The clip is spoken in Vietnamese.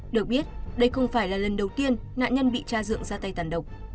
được biết đây không phải là lần đầu tiên nạn nhân bị cha dựng ra tay tàn độc